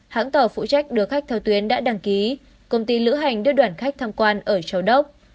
hãng tàu phụ trách đưa khách theo tuyến đã đăng ký công ty lữ hành đưa đoàn khách tham quan ở châu đốc